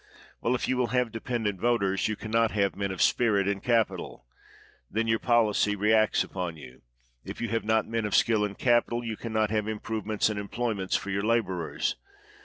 Well, if you will have dependent voters, you can not have men of spirit and capital. Then your policy reacts upon you. If you have not men of skill and capital, you can not have im provements and emploj'ment for your laborers.